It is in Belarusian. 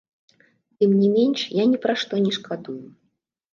Тым не менш, я ні пра што не шкадую.